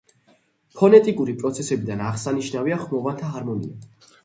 ფონეტიკური პროცესებიდან აღსანიშნავია ხმოვანთა ჰარმონია.